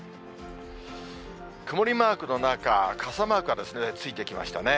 曇りマークの中、傘マークがついてきましたね。